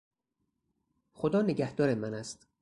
خدا نگهدار من است.